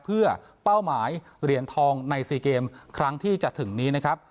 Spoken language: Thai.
เพื่อเป้าหมายเหรียญทองใน๔เกมครั้งที่จะถึงนี้นะครับ